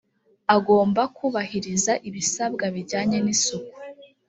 agomba kubahiriza ibisabwa bijyanye n isuku